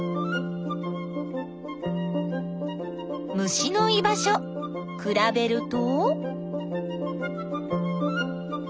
虫の居場所くらべると。